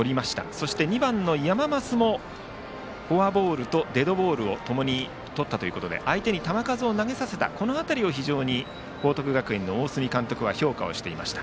そして２番の山増もフォアボールとデッドボールを共にとったということで相手に球数を投げさせたという辺りを報徳学園の大角監督は評価をしていました。